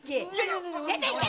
出ていけ。